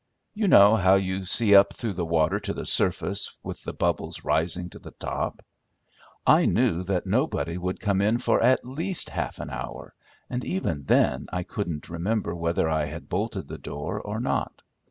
You know how you see up through the water to the surface with the bubbles rising to the top. I knew that nobody would come in for at least half an hour, and even then I couldn't remember whether I had bolted the door or not.